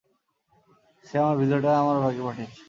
সে আমার ভিডিওটা আমার ভাইকে পাঠিয়েছে।